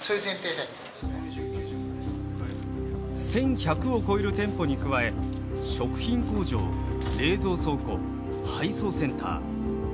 １，１００を超える店舗に加え食品工場冷蔵倉庫配送センター。